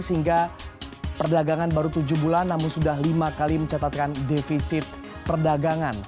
sehingga perdagangan baru tujuh bulan namun sudah lima kali mencatatkan defisit perdagangan